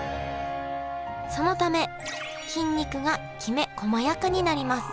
そのため筋肉がきめこまやかになります。